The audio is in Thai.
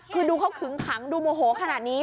คือดูเขาขึงขังดูโมโหขนาดนี้